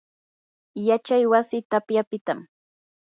yachay wasi tapyapitam.